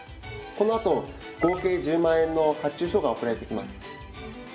このあと合計１０万円の発注書が送られてきます。